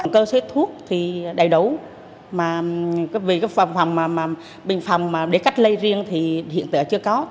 cơ số thuốc thì đầy đấu mà về phòng bệnh phòng để cắt lây riêng thì hiện tại chưa có